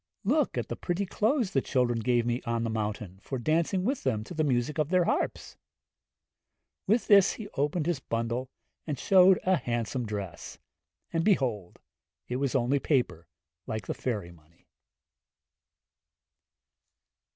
'Look at the pretty clothes the children gave me on the mountain, for dancing with them to the music of their harps.' With this he opened his bundle, and showed a handsome dress; and behold, it was only paper, like the fairy money.